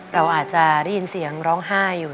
เราอาจจะได้ยินเสียงร้องไห้อยู่